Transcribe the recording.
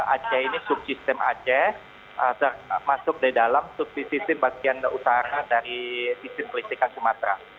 aceh ini subsistem aceh masuk dari dalam subsistem bagian utara dari sistem listriknya sumatera